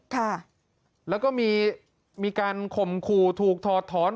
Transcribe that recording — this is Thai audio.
ค่ะแล้วก็มีมีการข่มขู่ถูกถอดถอน